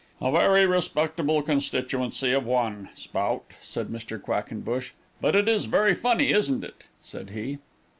"A very respectable constituency of one Spout," said Mr. Quackenbush. "But it is very funny, isn't it?" said he.